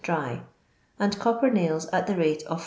dry, and cop per nails at the rate of \d.